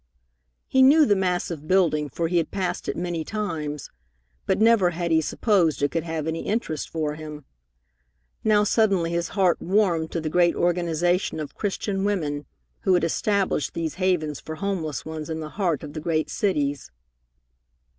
He knew the massive building, for he had passed it many times, but never had he supposed it could have any interest for him. Now suddenly his heart warmed to the great organization of Christian women who had established these havens for homeless ones in the heart of the great cities.